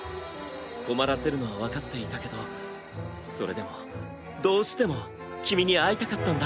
困らせるのは分かっていたけどそれでもどうしても君に会いたかったんだ。